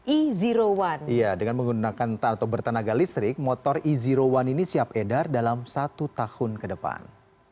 iya dengan menggunakan atau bertenaga listrik motor ezero one ini siap edar dalam satu tahun ke depan